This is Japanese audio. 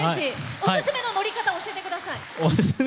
オススメの乗り方を教えてください。